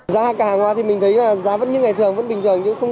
giá vẫn như ngày thường không tăng và không giảm